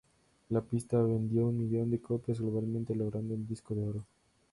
La pista vendió un millón de copias globalmente, logrando el disco de oro.